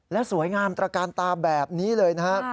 และสวยงามตระการตาแบบนี้เลยนะฮะ